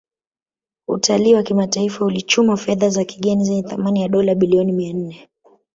Utalii wa kimataifa ulichuma fedha za kigeni zenye thamani ya Dola bilioni mia nne